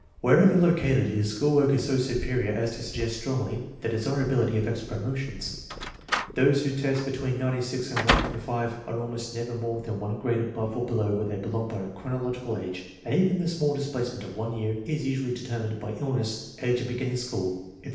Wherever lo cated, his school work is so superior as to suggest strongly the desirability of extra promotions. Those who test be tween 96 and 105 are almost never more than one grade above or below where they belong by chronological age, and even the small displacement of one year is usually determined by illness, age of beginning school, etc.